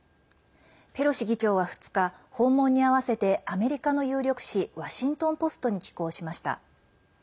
ペロシ議長は２日訪問に合わせてアメリカの有力紙ワシントン・ポストに寄稿しました。